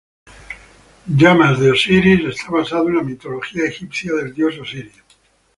Flames of Osiris está basado en la mitología egipcia del dios Osiris.